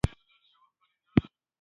سوالګر ته یو دعا هم د زړه سکون دی